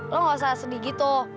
lo gak usah sedih gitu